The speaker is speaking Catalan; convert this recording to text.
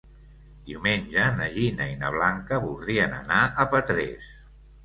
Diumenge na Gina i na Blanca voldrien anar a Petrés.